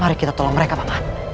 mari kita tolong mereka bang